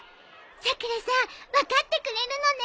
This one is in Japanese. さくらさん分かってくれるのね。